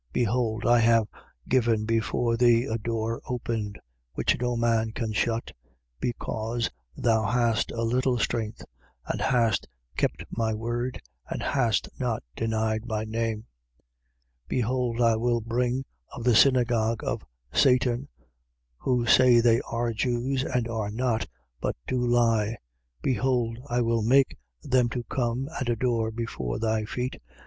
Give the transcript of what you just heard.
Behold, I have given before thee a door opened, which no man can shut: because thou hast a little strength and hast kept my word and hast not denied my name. 3:9. Behold, I will bring of the synagogue of Satan, who say they are Jews and are not, but do lie. Behold, I will make them to come and adore before thy feet.